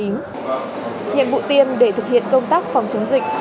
nhiệm vụ tiêm để thực hiện công tác phòng chống dịch